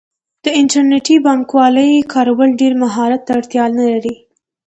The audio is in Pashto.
د انټرنیټي بانکوالۍ کارول ډیر مهارت ته اړتیا نه لري.